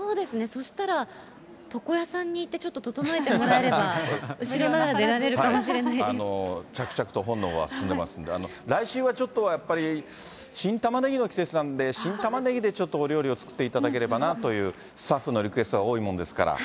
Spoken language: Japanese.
そしたら、床屋さんに行ってちょっと整えてもらえれば、後ろなら出られるか着々と本のほうは進んでますんで、来週はちょっとやっぱり、新玉ねぎの季節なんで、新玉ねぎでちょっとお料理を作っていただければなという、スタッフのリクエストが多いものですから。